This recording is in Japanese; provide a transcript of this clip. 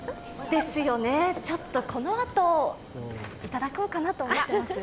ですよね、ちょっとこの後、いただこうかなと思ってます。